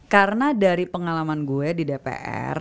karena dari pengalaman gue di dpr